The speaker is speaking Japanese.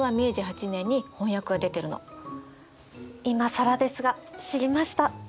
いまさらですが知りました。